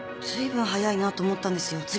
ずいぶん早いなと思ったんですよ。